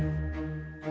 kegiatan mereka akan tiba